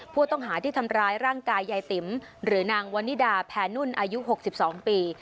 ผู้ต้องหาที่ทำร้ายร่างกายยายติ๋มหรือนางวันนิดาแพนุ่นอายุ๖๒ปี